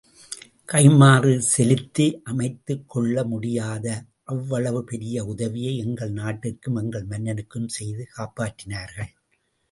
கைம்மாறு செலுத்தி அமைத்துக் கொள்ள முடியாத அவ்வளவு பெரிய உதவியை எங்கள் நாட்டிற்கும் எங்கள் மன்னனுக்கும் செய்து காப்பாற்றினர்கள்.